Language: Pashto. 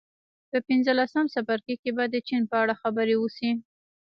په پنځلسم څپرکي کې به د چین په اړه خبرې وشي